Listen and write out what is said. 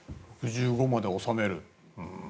６５まで納める。